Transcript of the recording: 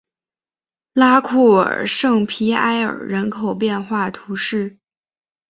拉库尔圣皮埃尔人口变化图示